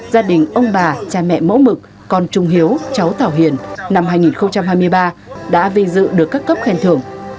gia đình ông bà cha mẹ mẫu mực con trung hiếu cháu tảo hiền năm hai nghìn hai mươi ba đã vinh dự được các cấp khen thưởng